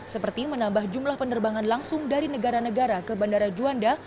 seperti menambah jumlah penerbangan langsung dari negara negara ke bandara juanda